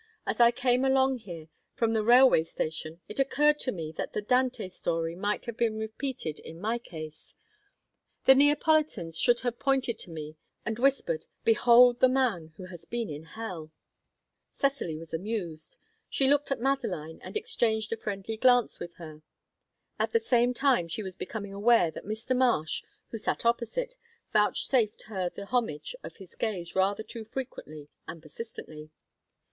As I came along here from the railway station, it occurred to me that the Dante story might have been repeated in my case; the Neapolitans should have pointed at me and whispered, 'Behold the man who has been in hell!'" Cecily was amused; she looked at Madeline and exchanged a friendly glance with her. At the same time she was becoming aware that Mr. Marsh, who sat opposite, vouchsafed her the homage of his gaze rather too frequently and persistently.